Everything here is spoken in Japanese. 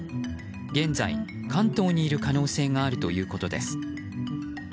現在、関東にいる可能性があるということです。